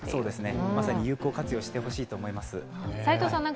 まさに有効活用してほしいと思います。